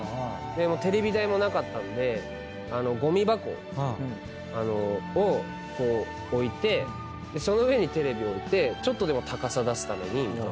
テレビ台もなかったんでごみ箱を置いてその上にテレビ置いてちょっとでも高さ出すために。